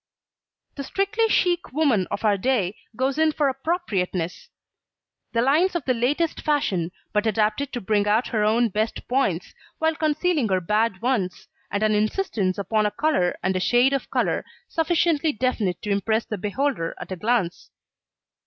The strictly chic woman of our day goes in for appropriateness; the lines of the latest fashion, but adapted to bring out her own best points, while concealing her bad ones, and an insistance upon a colour and a shade of colour, sufficiently definite to impress the beholder at a glance.